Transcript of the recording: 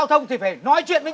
không phải việc của mày